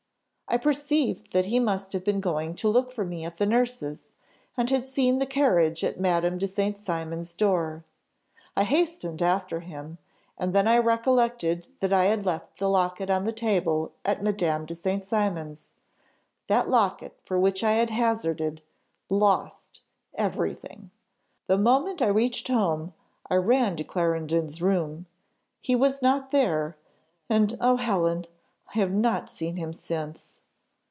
I perceived that he must have been going to look for me at the nurse's, and had seen the carriage at Madame de St. Cymon's door. I hastened after him, and then I recollected that I had left the locket on the table at Madame de St. Cymon's, that locket for which I had hazarded lost everything! The moment I reached home, I ran to Clarendon's room; he was not there, and oh! Helen, I have not seen him since!